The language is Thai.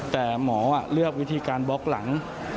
แต่หมอเลือกวิธีการบล็อกหลัง